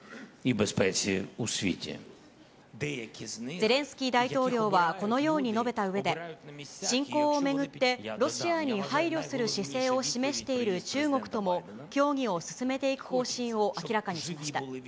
ゼレンスキー大統領はこのように述べたうえで、侵攻を巡ってロシアに配慮する姿勢を示している中国とも、協議を進めていく方針を明らかにしました。